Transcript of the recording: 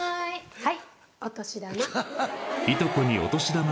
はい。